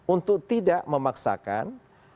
untuk tidak memaksakan